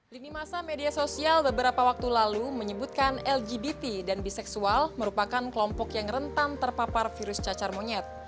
lini masa media sosial beberapa waktu lalu menyebutkan lgbt dan biseksual merupakan kelompok yang rentan terpapar virus cacar monyet